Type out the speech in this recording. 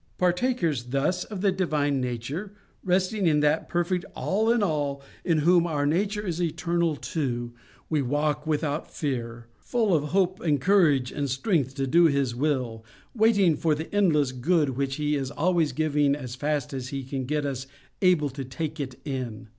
Partakers thus of the divine nature, resting in that perfect All in all in whom our nature is eternal too, we walk without fear, full of hope and courage and strength to do His will, waiting for the endless good which He is always giving as fast as He can get us able to take it in.